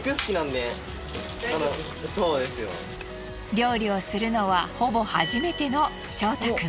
料理をするのはほぼ初めてのショウタくん。